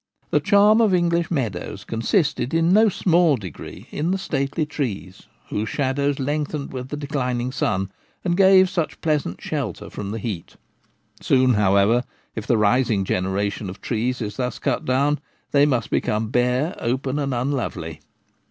The charm of English meadows consisted in no small degree in the stately trees, whose shadows 56 T/ie Gamekeeper at Home. lengthened with the declining sun and gave such pleasant shelter from the heat. Soon, however, if the rising generation of trees is thus cut down, they must become bare, open, and unlovely.